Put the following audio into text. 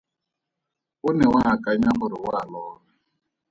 O ne wa akanya gore o a lora.